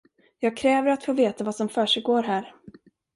Jag kräver att få veta vad som försiggår här!